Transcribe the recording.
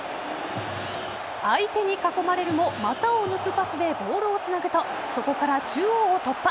相手に囲まれるも股を抜くパスでボールをつなぐとそこから中央を突破。